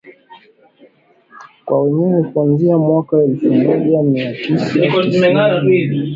kwa wenyewe kuanzia mwaka elfumoja miatisa tisini na moja